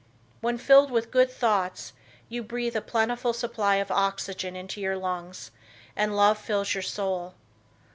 When filled with good thoughts, you breathe a plentiful supply of oxygen into your lungs and love fills your soul.